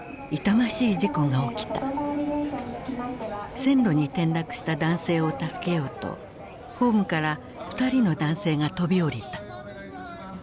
線路に転落した男性を助けようとホームから２人の男性が飛び降りた。